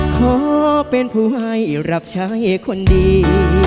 ขอเป็นผู้ให้รับใช้คนดี